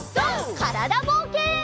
からだぼうけん。